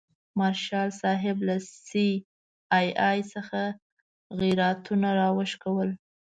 مارشال صاحب له سي آی اې څخه غیرانونه راوشکول.